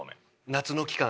夏の期間